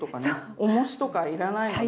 おもしとか要らないので。